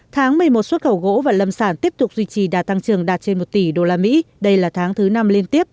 tháng một mươi một xuất khẩu gỗ và lâm sản tiếp tục duy trì đạt tăng trưởng đạt trên một tỷ đô la mỹ đây là tháng thứ năm liên tiếp